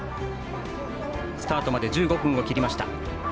スタートまで１５分を切りました。